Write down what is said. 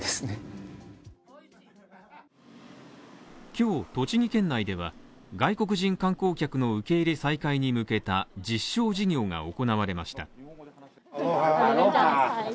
今日、栃木県内では外国人観光客の受け入れ再開に向けた実証事業が行われました。